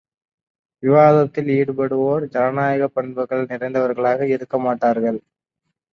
விவாதத்தில் ஈடுபடுவோர் ஜனநாயகப் பண்புகள் நிறைந்தவர்களாக இருக்கமாட்டார்கள்.